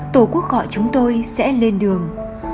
tổ quốc gọi chúng tôi sẽ lên đường